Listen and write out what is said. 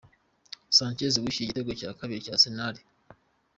sanchez wishyuye igitego cya kabiri cya Arsenal